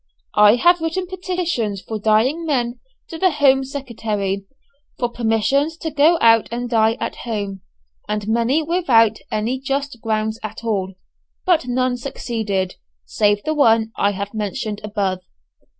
I have written petitions for dying men to the Home Secretary, for permission to go out and die at home, and many without any just grounds at all, but none succeeded, save the one I have mentioned above.